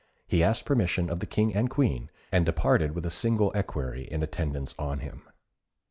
He asked permission of the King and Queen, and departed with a single equerry in attendance on him.